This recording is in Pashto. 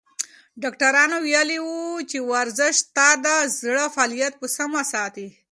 ډاکتر ویلي وو چې ورزش ستا د زړه فعالیت په سمه ساتي.